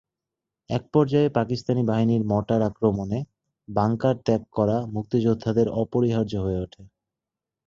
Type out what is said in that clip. একপর্যায়ে পাকিস্তানি বাহিনীর মর্টার আক্রমণে বাংকার ত্যাগ করা মুক্তিযোদ্ধাদের অপরিহার্য হয়ে ওঠে।